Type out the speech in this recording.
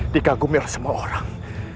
dikagumil semua orang